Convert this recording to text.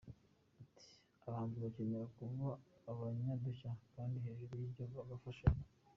Ati “Abahanzi bakeneye kuba abanyadushya kandi hejuru y’ibyo bagafashanya.